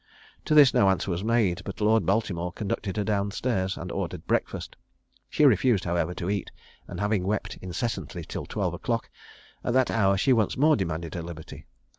To this no answer was made; but Lord Baltimore conducted her down stairs, and ordered breakfast. She refused, however, to eat, and having wept incessantly till twelve o'clock, at that hour she once more demanded her liberty.